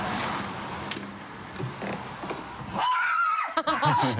ハハハ